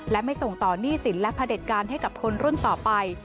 และไม่ส่งต่อหนี้สินและพระเด็จการให้กับคนรุ่นต่อไป